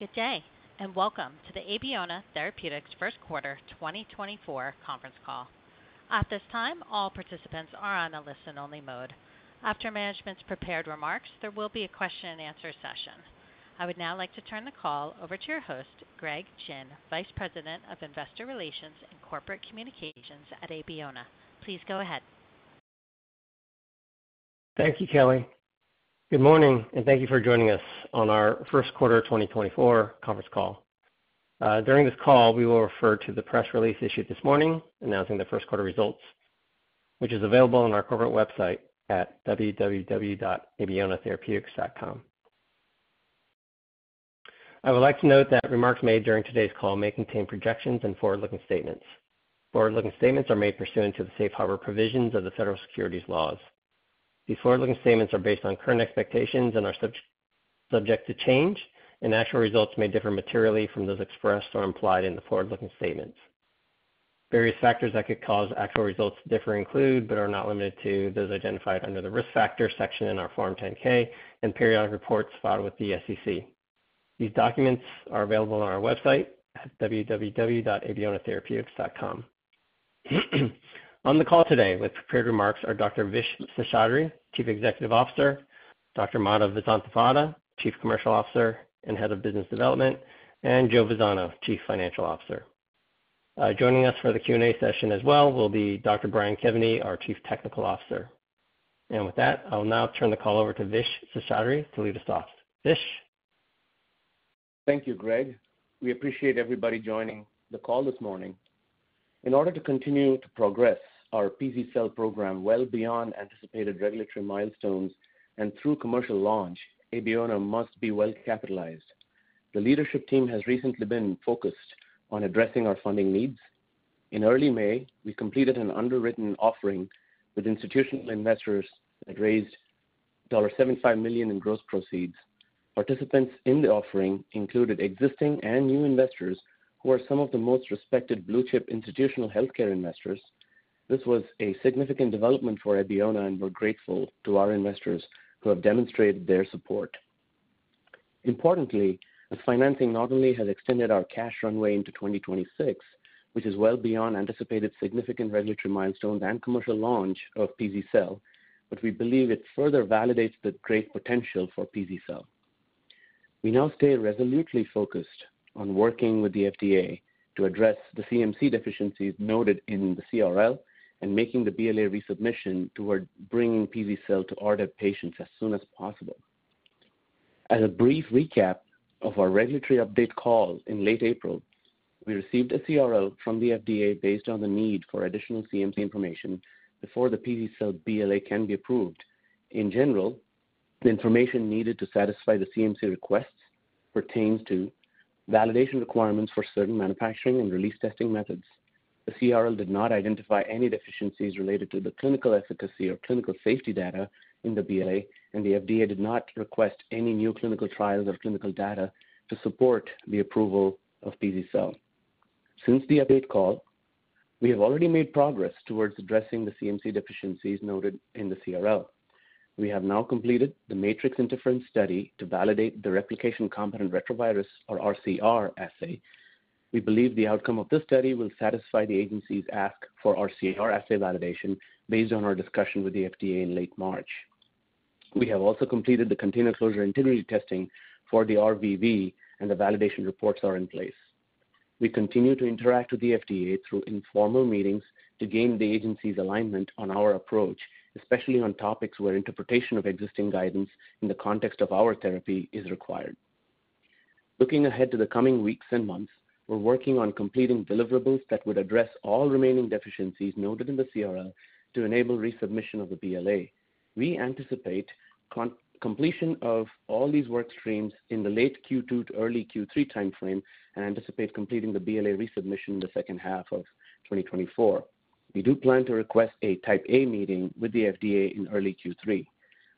Good day, and welcome to the Abeona Therapeutics First Quarter 2024 Conference call. At this time, all participants are on a listen-only mode. After management's prepared remarks, there will be a question and answer session. I would now like to turn the call over to your host, Greg Gin, Vice President of Investor Relations and Corporate Communications at Abeona. Please go ahead. Thank you, Kelly. Good morning, and thank you for joining us on our First Quarter 2024 Conference Call. During this call, we will refer to the press release issued this morning announcing the first quarter results, which is available on our corporate website at www.abeonatherapeutics.com. I would like to note that remarks made during today's call may contain projections and forward-looking statements. Forward-looking statements are made pursuant to the safe harbor provisions of the federal securities laws. These forward-looking statements are based on current expectations and are subject to change, and actual results may differ materially from those expressed or implied in the forward-looking statements. Various factors that could cause actual results to differ include, but are not limited to, those identified under the Risk Factors section in our Form 10-K and periodic reports filed with the SEC. These documents are available on our website at www.abeonatherapeutics.com. On the call today with prepared remarks are Dr. Vish Seshadri, Chief Executive Officer, Dr. Madhav Vasanthavada, Chief Commercial Officer and Head of Business Development, and Joe Vazzano, Chief Financial Officer. Joining us for the Q&A session as well will be Dr. Brian Kevany, our Chief Technical Officer. And with that, I'll now turn the call over to Vish Seshadri to lead us off. Vish? Thank you, Greg. We appreciate everybody joining the call this morning. In order to continue to progress our pz-cel program well beyond anticipated regulatory milestones and through commercial launch, Abeona must be well capitalized. The leadership team has recently been focused on addressing our funding needs. In early May, we completed an underwritten offering with institutional investors that raised $75 million in gross proceeds. Participants in the offering included existing and new investors, who are some of the most respected blue-chip institutional healthcare investors. This was a significant development for Abeona, and we're grateful to our investors who have demonstrated their support. Importantly, the financing not only has extended our cash runway into 2026, which is well beyond anticipated significant regulatory milestones and commercial launch of pz-cel, but we believe it further validates the great potential for pz-cel. We now stay resolutely focused on working with the FDA to address the CMC deficiencies noted in the CRL and making the BLA resubmission toward bringing pz-cel to RDEB patients as soon as possible. As a brief recap of our regulatory update call in late April, we received a CRL from the FDA based on the need for additional CMC information before the pz-cel BLA can be approved. In general, the information needed to satisfy the CMC requests pertains to validation requirements for certain manufacturing and release testing methods. The CRL did not identify any deficiencies related to the clinical efficacy or clinical safety data in the BLA, and the FDA did not request any new clinical trials or clinical data to support the approval of pz-cel. Since the update call, we have already made progress towards addressing the CMC deficiencies noted in the CRL. We have now completed the matrix interference study to validate the replication competent retrovirus, or RCR assay. We believe the outcome of this study will satisfy the agency's ask for RCR assay validation based on our discussion with the FDA in late March. We have also completed the container closure integrity testing for the RVV, and the validation reports are in place. We continue to interact with the FDA through informal meetings to gain the agency's alignment on our approach, especially on topics where interpretation of existing guidance in the context of our therapy is required. Looking ahead to the coming weeks and months, we're working on completing deliverables that would address all remaining deficiencies noted in the CRL to enable resubmission of the BLA. We anticipate con... completion of all these work streams in the late Q2 to early Q3 timeframe and anticipate completing the BLA resubmission in the second half of 2024. We do plan to request a Type A meeting with the FDA in early Q3.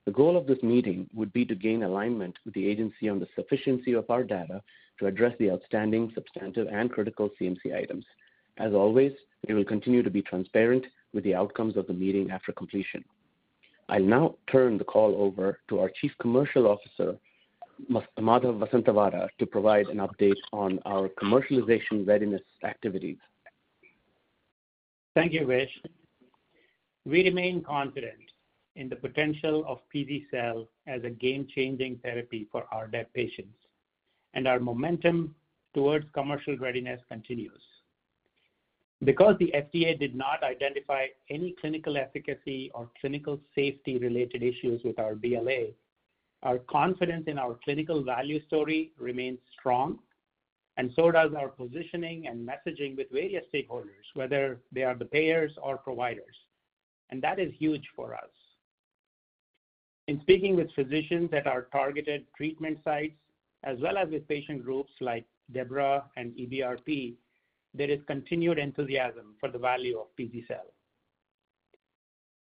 The goal of this meeting would be to gain alignment with the agency on the sufficiency of our data to address the outstanding substantive and critical CMC items. As always, we will continue to be transparent with the outcomes of the meeting after completion. I'll now turn the call over to our Chief Commercial Officer, Madhav Vasanthavada, to provide an update on our commercialization readiness activities. Thank you, Vish. We remain confident in the potential of pz-cel as a game-changing therapy for our DEB patients, and our momentum towards commercial readiness continues. Because the FDA did not identify any clinical efficacy or clinical safety-related issues with our BLA, our confidence in our clinical value story remains strong, and so does our positioning and messaging with various stakeholders, whether they are the payers or providers, and that is huge for us. In speaking with physicians at our targeted treatment sites, as well as with patient groups like DEBRA and EBRP, there is continued enthusiasm for the value of pz-cel.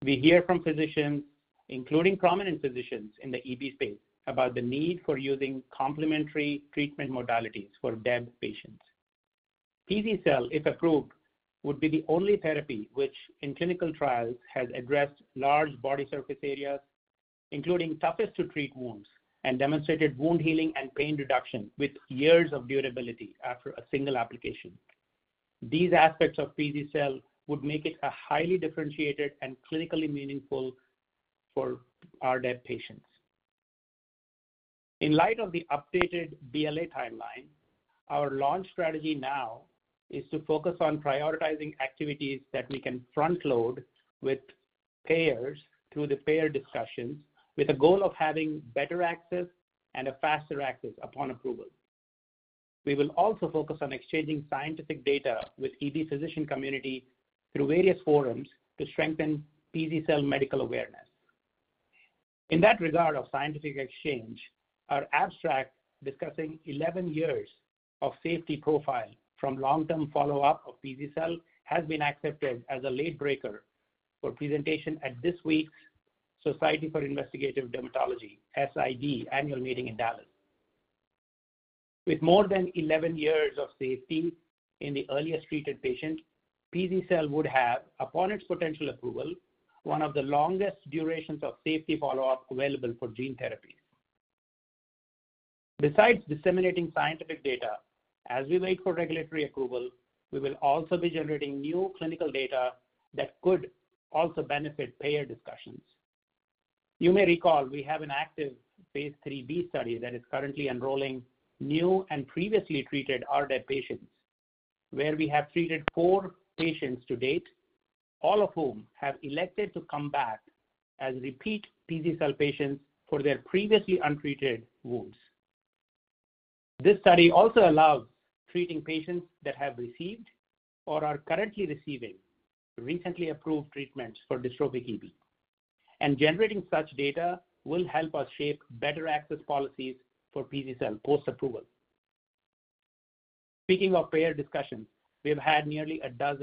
We hear from physicians, including prominent physicians in the EB space, about the need for using complementary treatment modalities for DEB patients.... pz-cel, if approved, would be the only therapy which in clinical trials has addressed large body surface areas, including toughest-to-treat wounds, and demonstrated wound healing and pain reduction with years of durability after a single application. These aspects of pz-cel would make it a highly differentiated and clinically meaningful for our DEB patients. In light of the updated BLA timeline, our launch strategy now is to focus on prioritizing activities that we can front load with payers through the payer discussions, with a goal of having better access and a faster access upon approval. We will also focus on exchanging scientific data with EB physician community through various forums to strengthen pz-cel medical awareness. In that regard of scientific exchange, our abstract discussing 11 years of safety profile from long-term follow-up of pz-cel has been accepted as a late breaker for presentation at this week's Society for Investigative Dermatology, SID, annual meeting in Dallas. With more than 11 years of safety in the earliest treated patients, pz-cel would have, upon its potential approval, one of the longest durations of safety follow-up available for gene therapy. Besides disseminating scientific data, as we wait for regulatory approval, we will also be generating new clinical data that could also benefit payer discussions. You may recall, we have an active phase III-B study that is currently enrolling new and previously treated RDEB patients, where we have treated four patients to date, all of whom have elected to come back as repeat pz-cel patients for their previously untreated wounds. This study also allows treating patients that have received or are currently receiving recently approved treatments for dystrophic EB. Generating such data will help us shape better access policies for pz-cel post-approval. Speaking of payer discussions, we have had nearly 12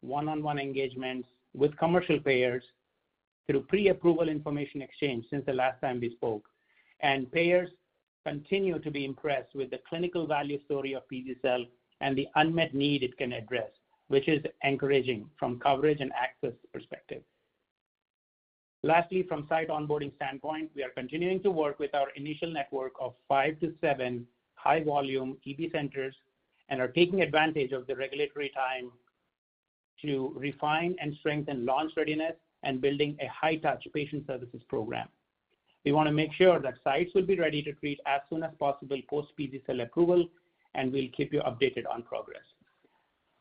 one-on-one engagements with commercial payers through pre-approval information exchange since the last time we spoke, and payers continue to be impressed with the clinical value story of pz-cel and the unmet need it can address, which is encouraging from coverage and access perspective. Lastly, from site onboarding standpoint, we are continuing to work with our initial network of 5-7 high-volume EB centers and are taking advantage of the regulatory time to refine and strengthen launch readiness and building a high-touch patient services program. We want to make sure that sites will be ready to treat as soon as possible post pz-cel approval, and we'll keep you updated on progress.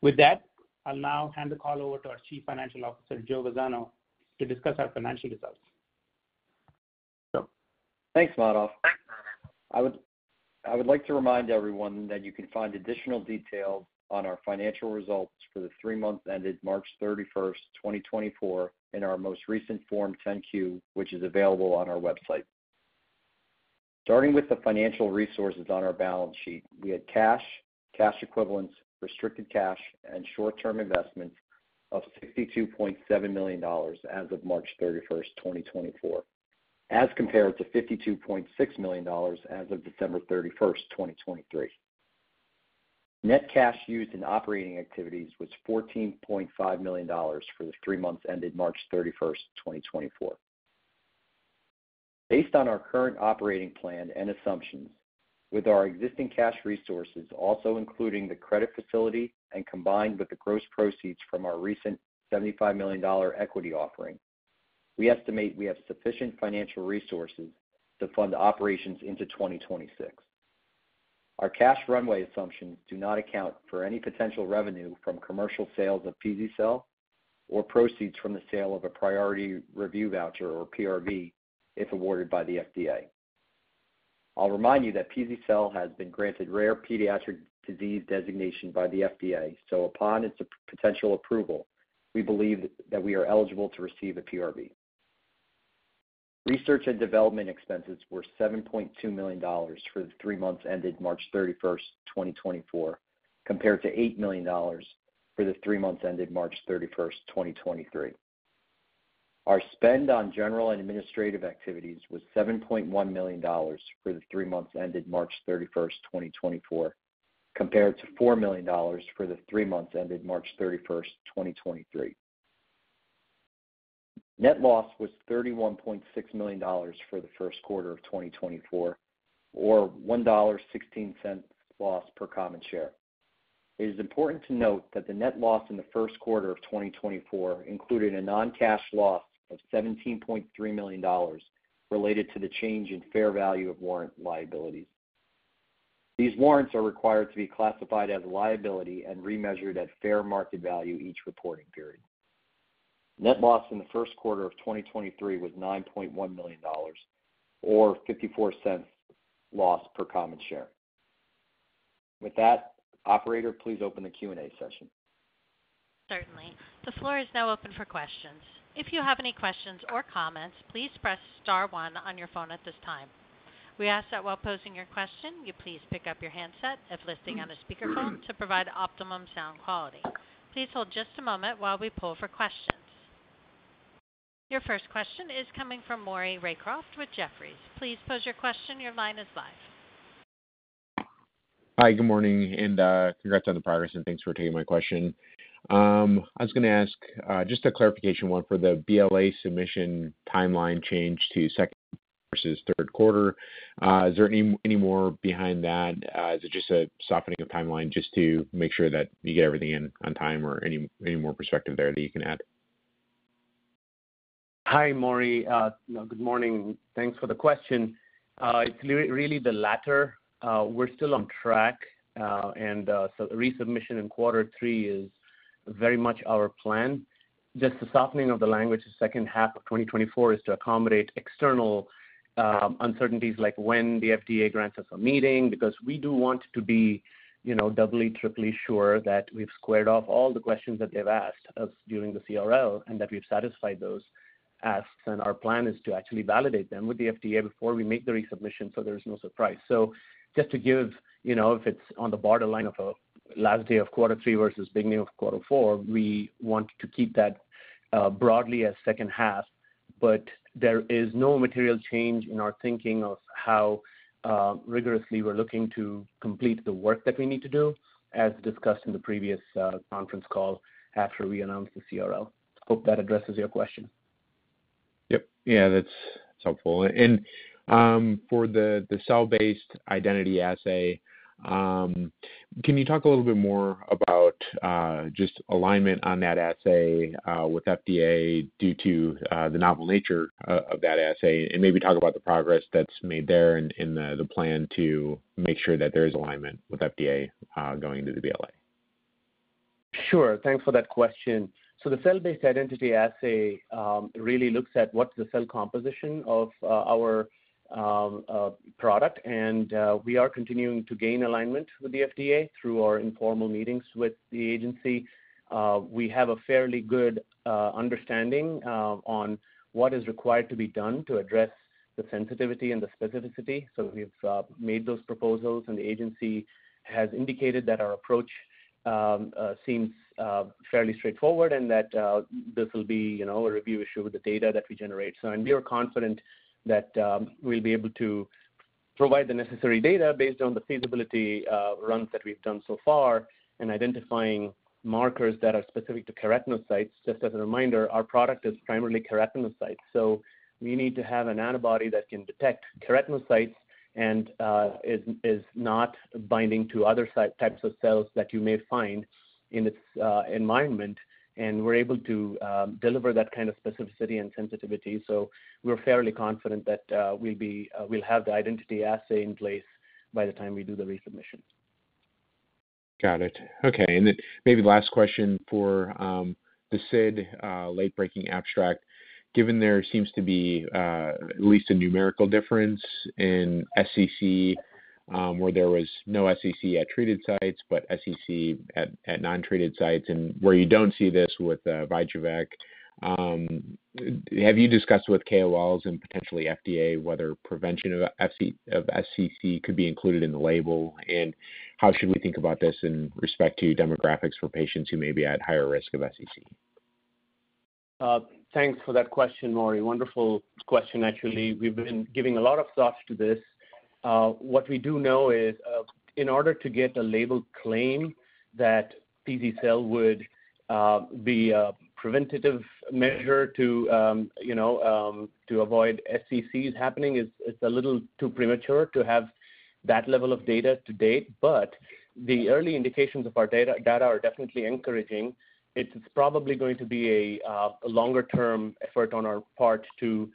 With that, I'll now hand the call over to our Chief Financial Officer, Joseph Vazzano, to discuss our financial results. Thanks, Madhav. I would like to remind everyone that you can find additional details on our financial results for the three months ended March 31, 2024, in our most recent Form 10-Q, which is available on our website. Starting with the financial resources on our balance sheet, we had cash, cash equivalents, restricted cash, and short-term investments of $62.7 million as of March 31, 2024, as compared to $52.6 million as of December 31, 2023. Net cash used in operating activities was $14.5 million for the three months ended March 31, 2024. Based on our current operating plan and assumptions, with our existing cash resources, also including the credit facility and combined with the gross proceeds from our recent $75 million equity offering, we estimate we have sufficient financial resources to fund operations into 2026. Our cash runway assumptions do not account for any potential revenue from commercial sales of pz-cel or proceeds from the sale of a priority review voucher or PRV, if awarded by the FDA. I'll remind you that pz-cel has been granted rare pediatric disease designation by the FDA, so upon its potential approval, we believe that we are eligible to receive a PRV. Research and development expenses were $7.2 million for the three months ended March 31, 2024, compared to $8 million for the three months ended March 31, 2023. Our spend on general and administrative activities was $7.1 million for the three months ended March 31, 2024, compared to $4 million for the three months ended March 31, 2023. Net loss was $31.6 million for the first quarter of 2024, or $1.16 loss per common share. It is important to note that the net loss in the first quarter of 2024 included a non-cash loss of $17.3 million related to the change in fair value of warrant liabilities. These warrants are required to be classified as liability and remeasured at fair market value each reporting period. Net loss in the first quarter of 2023 was $9.1 million or 54 cents loss per common share. With that, operator, please open the Q&A session. Certainly. The floor is now open for questions. If you have any questions or comments, please press star one on your phone at this time. We ask that while posing your question, you please pick up your handset if listening on a speakerphone, to provide optimum sound quality. Please hold just a moment while we pull for questions. ... Your first question is coming from Maury Raycroft with Jefferies. Please pose your question. Your line is live. Hi, good morning, and, congrats on the progress, and thanks for taking my question. I was gonna ask, just a clarification one for the BLA submission timeline change to second versus third quarter. Is there any, any more behind that? Is it just a softening of timeline just to make sure that you get everything in on time, or any, any more perspective there that you can add? Hi, Maury. Good morning. Thanks for the question. It's really the latter. We're still on track, and so the resubmission in quarter three is very much our plan. Just the softening of the language, the second half of 2024, is to accommodate external uncertainties, like when the FDA grants us a meeting, because we do want to be, you know, doubly, triple sure that we've squared off all the questions that they've asked us during the CRL and that we've satisfied those asks. And our plan is to actually validate them with the FDA before we make the resubmission, so there's no surprise. So just to give, you know, if it's on the borderline of a last day of quarter three versus beginning of quarter four, we want to keep that broadly as second half. But there is no material change in our thinking of how rigorously we're looking to complete the work that we need to do, as discussed in the previous conference call after we announced the CRL. Hope that addresses your question. Yep. Yeah, that's helpful. And, for the cell-based identity assay, can you talk a little bit more about just alignment on that assay with FDA due to the novel nature of that assay? And maybe talk about the progress that's made there and the plan to make sure that there is alignment with FDA going into the BLA. Sure. Thanks for that question. So the cell-based identity assay really looks at what's the cell composition of our product, and we are continuing to gain alignment with the FDA through our informal meetings with the agency. We have a fairly good understanding on what is required to be done to address the sensitivity and the specificity. So we've made those proposals, and the agency has indicated that our approach seems fairly straightforward and that this will be, you know, a review issue with the data that we generate. So and we are confident that we'll be able to provide the necessary data based on the feasibility runs that we've done so far in identifying markers that are specific to keratinocytes. Just as a reminder, our product is primarily keratinocytes, so we need to have an antibody that can detect keratinocytes and is not binding to other cell types of cells that you may find in its environment, and we're able to deliver that kind of specificity and sensitivity. So we're fairly confident that we'll have the identity assay in place by the time we do the resubmission. Got it. Okay, and then maybe last question for the SID late-breaking abstract. Given there seems to be at least a numerical difference in SCC, where there was no SCC at treated sites, but SCC at non-treated sites, and where you don't see this with Vyjuvek, have you discussed with KOLs and potentially FDA whether prevention of SCC could be included in the label? And how should we think about this in respect to demographics for patients who may be at higher risk of SCC? Thanks for that question, Maury. Wonderful question. Actually, we've been giving a lot of thought to this. What we do know is, in order to get a label claim that pz-cel would be a preventative measure to, you know, to avoid SCCs happening, it's a little too premature to have that level of data to date, but the early indications of our data are definitely encouraging. It's probably going to be a longer-term effort on our part to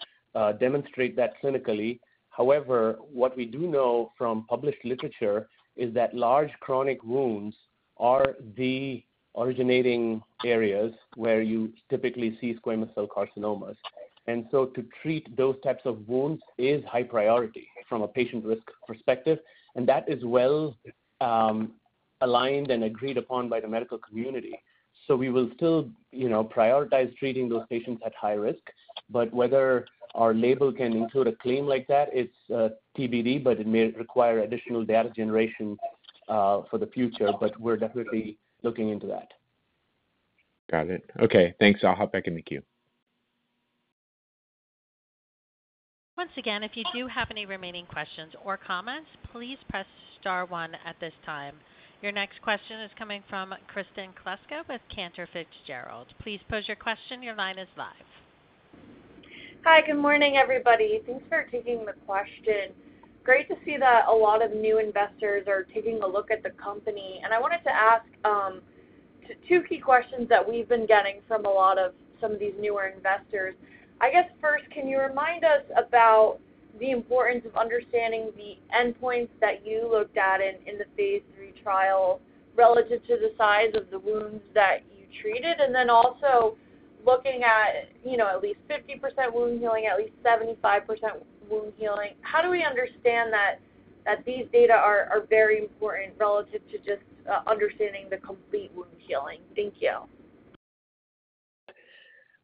demonstrate that clinically. However, what we do know from published literature is that large chronic wounds are the originating areas where you typically see squamous cell carcinomas. And so to treat those types of wounds is high priority from a patient risk perspective, and that is well aligned and agreed upon by the medical community. So we will still, you know, prioritize treating those patients at high risk. But whether our label can include a claim like that, it's TBD, but it may require additional data generation for the future, but we're definitely looking into that. Got it. Okay, thanks. I'll hop back in the queue. Once again, if you do have any remaining questions or comments, please press star one at this time. Your next question is coming from Kristen Kluska with Cantor Fitzgerald. Please pose your question. Your line is live. Hi, good morning, everybody. Thanks for taking the question. Great to see that a lot of new investors are taking a look at the company. I wanted to ask, two key questions that we've been getting from a lot of some of these newer investors. I guess, first, can you remind us about the importance of understanding the endpoints that you looked at in the phase III trial relative to the size of the wounds that you treated? And then also looking at, you know, at least 50% wound healing, at least 75% wound healing. How do we understand that these data are very important relative to just understanding the complete wound healing? Thank you. ...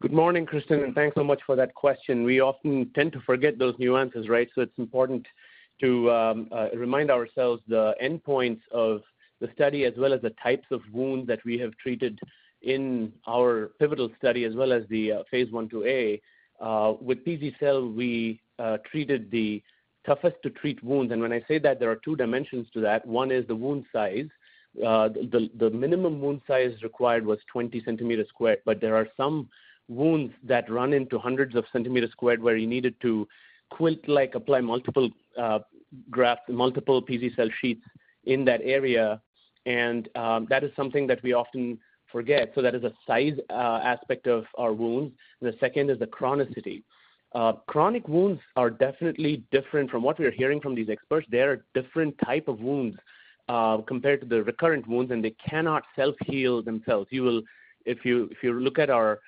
Good morning, Kristen, and thanks so much for that question. We often tend to forget those nuances, right? So it's important to remind ourselves the endpoints of the study as well as the types of wounds that we have treated in our pivotal study as well as the phase I/II-A. With pz-cel, we treated the toughest to treat wounds, and when I say that, there are two dimensions to that. One is the wound size. The minimum wound size required was 20 centimeters squared, but there are some wounds that run into hundreds of centimeters squared, where you needed to quilt, like, apply multiple grafts, multiple pz-cel sheets in that area. And that is something that we often forget. So that is a size aspect of our wounds. The second is the chronicity. Chronic wounds are definitely different from what we are hearing from these experts. They are different type of wounds compared to the recurrent wounds, and they cannot self-heal themselves. If you look at our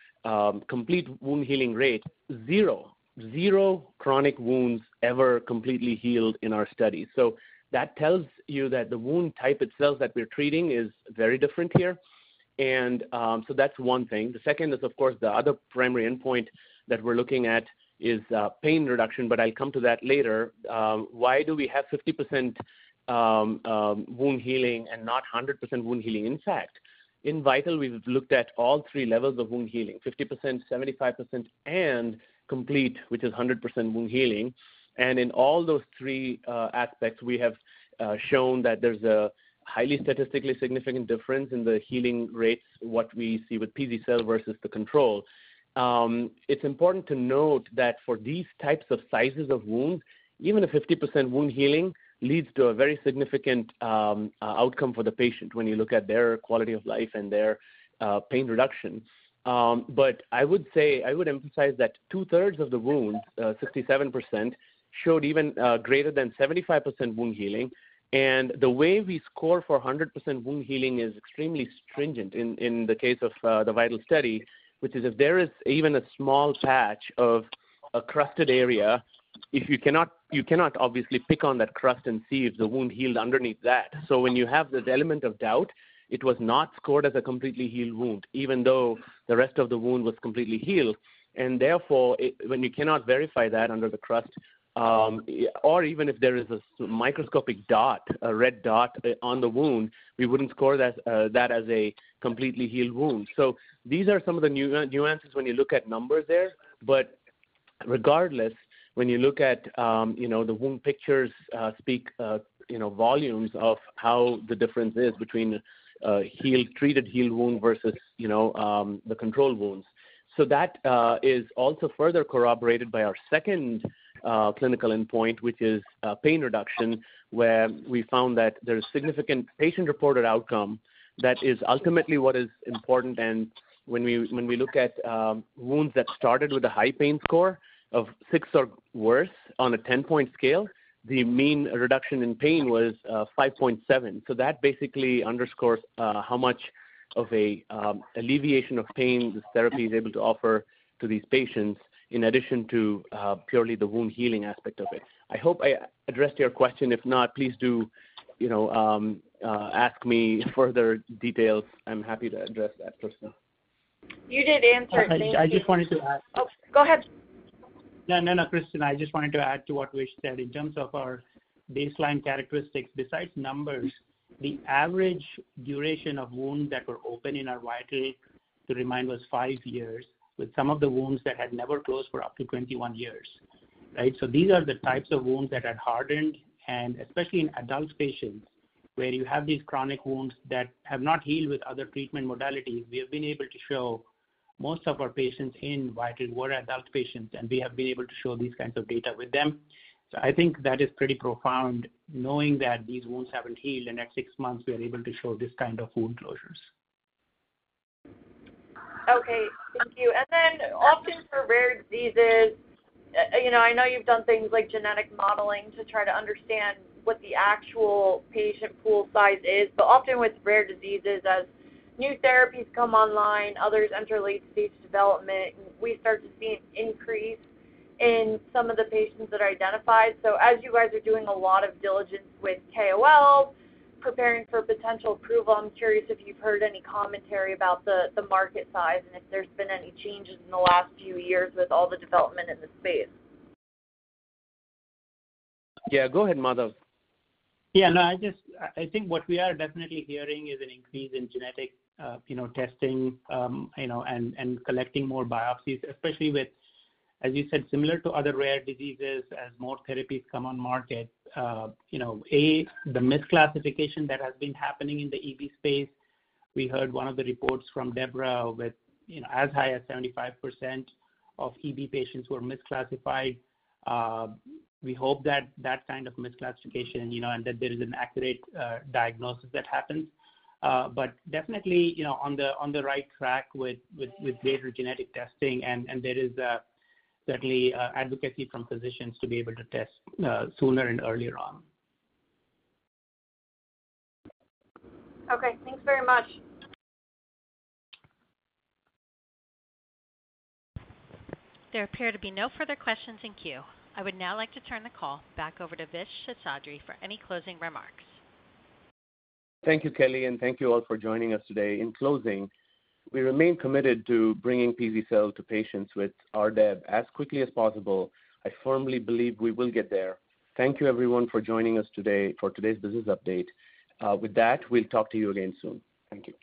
complete wound healing rate, 0/0 chronic wounds ever completely healed in our study. So that tells you that the wound type itself that we're treating is very different here. So that's one thing. The second is, of course, the other primary endpoint that we're looking at is pain reduction, but I'll come to that later. Why do we have 50% wound healing and not 100% wound healing? In fact, in VIITAL, we've looked at all three levels of wound healing, 50%, 75%, and complete, which is 100% wound healing. And in all those three aspects, we have shown that there's a highly statistically significant difference in the healing rates, what we see with pz-cel versus the control. It's important to note that for these types of sizes of wounds, even a 50% wound healing leads to a very significant outcome for the patient when you look at their quality of life and their pain reduction. But I would say... I would emphasize that two-thirds of the wounds, 67%, showed even greater than 75% wound healing. The way we score for 100% wound healing is extremely stringent in the case of the VIITAL study, which is if there is even a small patch of a crusted area, if you cannot, you cannot obviously pick on that crust and see if the wound healed underneath that. So when you have this element of doubt, it was not scored as a completely healed wound, even though the rest of the wound was completely healed. And therefore, it, when you cannot verify that under the crust, or even if there is a microscopic dot, a red dot on the wound, we wouldn't score that, that as a completely healed wound. So these are some of the nuances when you look at numbers there. But regardless, when you look at, you know, the wound pictures speak, you know, volumes of how the difference is between, healed, treated healed wound versus, you know, the controlled wounds. So that is also further corroborated by our second clinical endpoint, which is pain reduction, where we found that there is significant patient-reported outcome that is ultimately what is important. And when we, when we look at wounds that started with a high pain score of 6 or worse on a 10-point scale, the mean reduction in pain was 5.7. So that basically underscores how much of a alleviation of pain this therapy is able to offer to these patients, in addition to purely the wound healing aspect of it. I hope I addressed your question. If not, please do, you know, ask me further details. I'm happy to address that, Kristen. You did answer. Thank you. I just wanted to add- Oh, go ahead. No, no, no, Kristen, I just wanted to add to what Vish said. In terms of our baseline characteristics, besides numbers, the average duration of wounds that were open in our trial, to remind, was five years, with some of the wounds that had never closed for up to 21 years, right? So these are the types of wounds that had hardened, and especially in adult patients, where you have these chronic wounds that have not healed with other treatment modalities, we have been able to show most of our patients in VIITAL were adult patients, and we have been able to show these kinds of data with them. So I think that is pretty profound, knowing that these wounds haven't healed. In the next 6 months, we are able to show this kind of wound closures. Okay, thank you. And then often for rare diseases, you know, I know you've done things like genetic modeling to try to understand what the actual patient pool size is, but often with rare diseases, as new therapies come online, others enter late-stage development, we start to see an increase in some of the patients that are identified. So as you guys are doing a lot of diligence with KOL, preparing for potential approval, I'm curious if you've heard any commentary about the market size and if there's been any changes in the last few years with all the development in this space. Yeah, go ahead, Madhav. Yeah, no, I just... I think what we are definitely hearing is an increase in genetic, you know, testing, you know, and collecting more biopsies, especially with, as you said, similar to other rare diseases, as more therapies come on market, you know, the misclassification that has been happening in the EB space. We heard one of the reports from DEBRA with, you know, as high as 75% of EB patients who are misclassified. We hope that that kind of misclassification, you know, and that there is an accurate, diagnosis that happens. But definitely, you know, on the right track with greater genetic testing, and there is certainly advocacy from physicians to be able to test sooner and earlier on. Okay, thanks very much. There appear to be no further questions in queue. I would now like to turn the call back over to Vish Seshadri for any closing remarks. Thank you, Kelly, and thank you all for joining us today. In closing, we remain committed to bringing pz-cel to patients with RDEB as quickly as possible. I firmly believe we will get there. Thank you everyone for joining us today for today's business update. With that, we'll talk to you again soon. Thank you.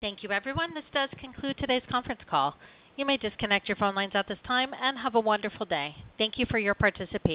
Thank you, everyone. This does conclude today's conference call. You may disconnect your phone lines at this time, and have a wonderful day. Thank you for your participation.